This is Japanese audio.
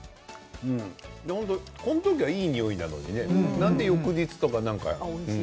この時はいいにおいなのになんで翌日とかね